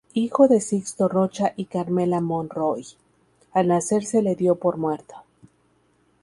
Hijo de Sixto Rocha y Carmela Monroy, al nacer se le dio por muerto.